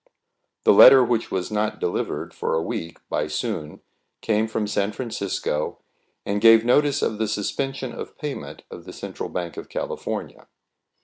The letter which was not delivered for a week by Soun came from San Francisco, and gave notice of the suspension of payment' of the Cen tral Bank of California.